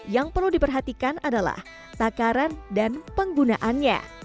yang perlu diperhatikan adalah takaran dan penggunaannya